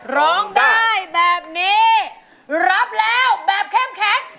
ร้องได้ให้ล้าง